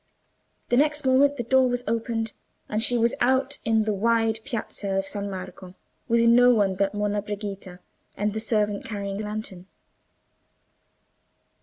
The next moment the door was opened, and she was out in the wide piazza of San Marco, with no one but Monna Brigida, and the servant carrying the lantern.